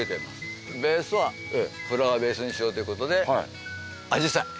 ベースはフラワーベースにしようという事であじさい。